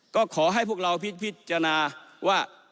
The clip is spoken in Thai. ก็ขอให้พวกเราพิจารณาว่า